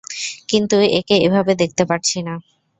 কিন্তু একে এভাবে দেখতে পারছি না।